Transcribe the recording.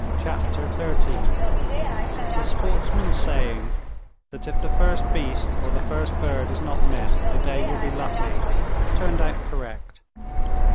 Chapter 13 The sportsman's saying, that if the first beast or the first bird is not missed, the day will be lucky, turned out correct.